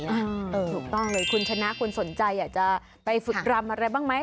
ถูกต้องเลยคุณชนะคุณสนใจอยากจะไปฝึกรำอะไรบ้างไหม